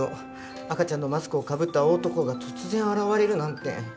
赤ちゃんのマスクをかぶった大男が突然現れるなんて。